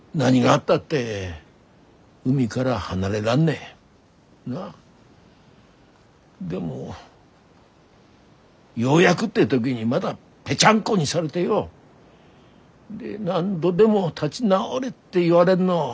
んでもようやぐって時にまだぺちゃんこにされでよ何度でも立ぢ直れって言われんのこれきづいぞ？